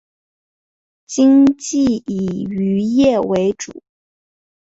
经济以渔业为主。